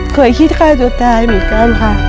เคยคิดฆ่าตัวตายเหมือนกันค่ะ